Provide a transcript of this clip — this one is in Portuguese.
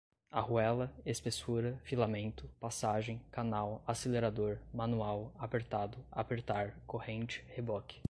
arruela, espessura, filamento, passagem, canal, acelerador, manual, apertado, apertar, corrente, reboque